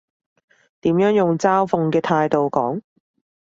點樣用嘲諷嘅態度講？